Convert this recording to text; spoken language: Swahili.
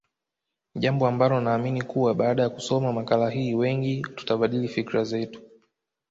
Jambo ambalo naamini kuwa baada ya kusoma makala hii wengi tutabadili fikra zetu